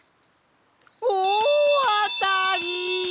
おおあたり！